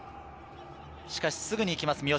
しかしすぐに行きます三好。